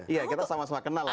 iya kita sama sama kenal lah